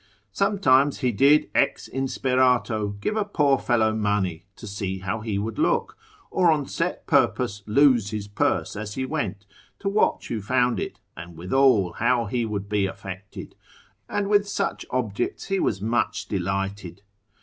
Sometimes he did ex insperato give a poor fellow money, to see how he would look, or on set purpose lose his purse as he went, to watch who found it, and withal how he would be affected, and with such objects he was much delighted.